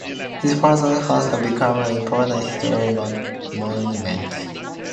His father's house has become an important historical monument.